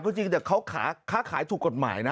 ก็จริงแต่เขาค้าขายถูกกฎหมายนะ